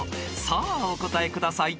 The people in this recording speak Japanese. ［さあお答えください］